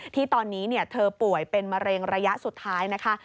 ที่ตอนนี้เธอป่วยเป็นมะเร็งระยะสุดท้ายนะคะ